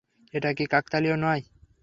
এটা কি কাকতালীয় না?